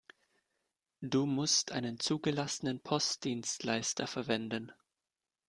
Du musst einen zugelassenen Postdienstleister verwenden.